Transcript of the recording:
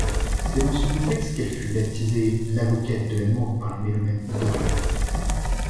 C’est dans ce contexte qu'elle fu baptisée L’avocate de l’Amour par les mélomanes ivoiriens.